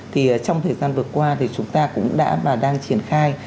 thì trong thời gian vừa qua thì chúng ta cũng đã và đang triển khai